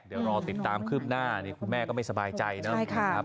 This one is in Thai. เดี๋ยวรอติดตามคืบหน้านี่คุณแม่ก็ไม่สบายใจนะครับ